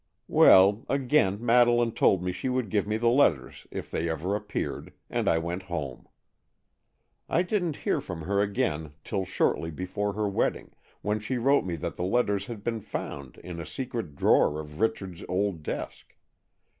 Well, again Madeleine told me she would give me the letters if they ever appeared, and I went home. I didn't hear from her again till shortly before her wedding, when she wrote me that the letters had been found in a secret drawer of Richard's old desk.